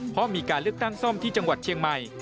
เพราะมีการเลือกตั้งซ่อมที่จังหวัดเชียงใหม่